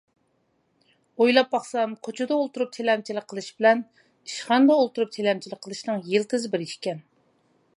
ئويلاپ باقسام كوچىدا ئولتۇرۇپ تىلەمچىلىك قىلىش بىلەن ئىشخانىدا ئولتۇرۇپ تىلەمچىلىك قىلىشنىڭ يىلتىزى بىر ئىكەن.